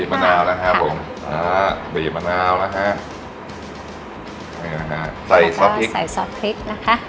บีบมะนาวนะครับผมนะฮะบีบมะนาวนะฮะใส่ซอสพริกใส่ซอสพริกนะคะ